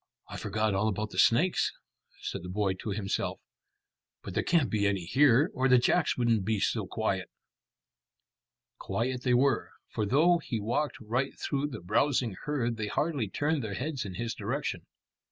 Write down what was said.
"I forgot all about the snakes," said the boy to himself; "but there can't be any here, or the jacks wouldn't be so quiet." Quiet they were, for though he walked right through the browsing herd they hardly turned their heads in his direction.